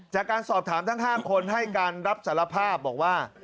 จากการสอบถามทั้ง๕คนให้การรับสารภาพบอกว่า